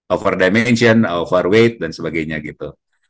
overdimension overweight dan sebagainya gitu